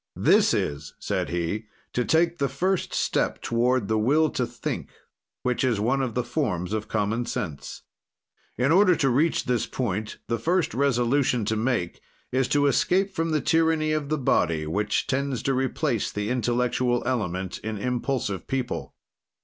This is," said he, "to take the first step toward the will to think, which is one of the forms of common sense. "In order to reach this point, the first resolution to make is to escape from the tyranny of the body, which tends to replace the intellectual element in impulsive people.